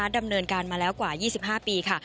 ดำเนินการมาแล้วกว่า๒๕ปีค่ะ